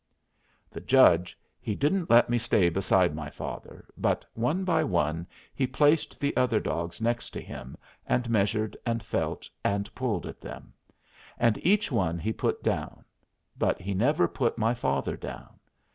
The judge he didn't let me stay beside my father, but, one by one, he placed the other dogs next to him and measured and felt and pulled at them. And each one he put down, but he never put my father down.